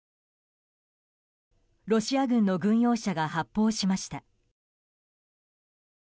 ロシア軍の軍用車が発砲しました。